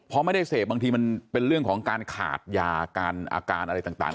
พอไม่ได้เสพบางทีมันเป็นเรื่องของการขาดยาการอาการอะไรต่าง